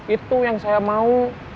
itu yang saya mau